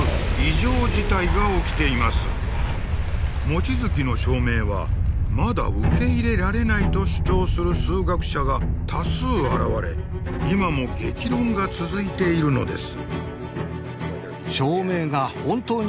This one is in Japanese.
望月の証明はまだ受け入れられないと主張する数学者が多数現れ今も激論が続いているのです。